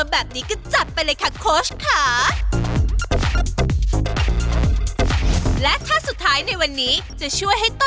แบบนี้